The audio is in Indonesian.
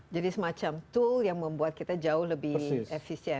jadi semacam tool yang membuat kita jauh lebih efisien